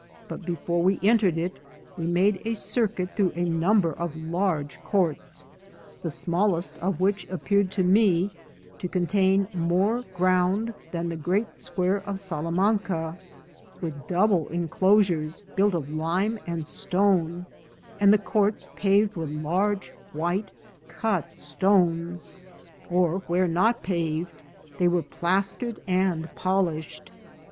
449 but before we entered it we made a circuit through a number of large courts, the smallest of which appeared to me to contain more ground than the great square of Salamanca, with double enclosures, built of lime and stone, and the courts paved with large white cut stones, or, where not paved, they were plastered and polished."